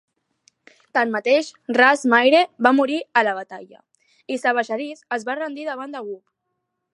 Tanmateix, "Ras" Marye va morir a la batalla, i Sebagadis es va rendir davant de Wube.